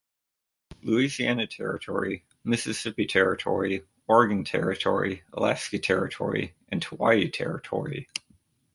Louisiana Territory, Mississippi Territory, Oregon Territory, Alaska Territory and Hawaii Territory.